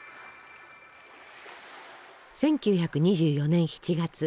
１９２４年７月。